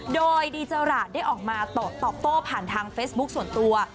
โดยดีเจอราชได้ออกมาตอบโต้ผ่านทางเฟซบุ๊คส่วนตัว